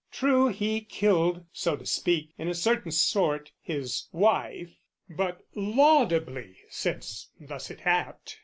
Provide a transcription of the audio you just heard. "True, he killed " So to speak in a certain sort his wife, "But laudably, since thus it happed!"